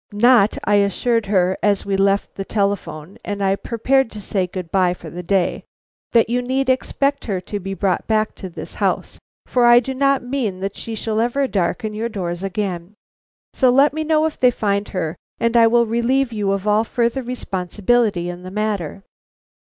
"Not," I assured her, as we left the telephone and I prepared to say good bye for the day, "that you need expect her to be brought back to this house, for I do not mean that she shall ever darken your doors again. So let me know if they find her, and I will relieve you of all further responsibility in the matter."